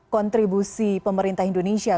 kontribusi pemerintah indonesia